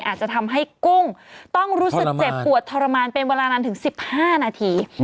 อาจจะทำให้กุ้งต้องรู้สึกเจ็บปวดทรมานเป็นเวลานานถึง๑๕นาที